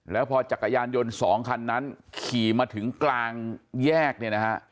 แล้วพอจักรยานยนต์๒คันนั้นขี่มาถึงกลางแยกเนี่ยนะฮะ